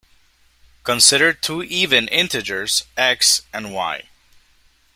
Consider two even integers "x" and "y".